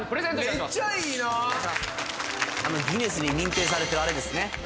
めっちゃいいなギネスに認定されてるあれですね